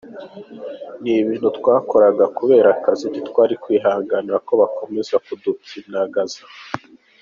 Ni ibintu twakoraga kubera akazi, ntitwari kwihanganira ko bakomeza kudupyinagaza.